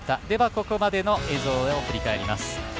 ここまでの映像を振り返ります。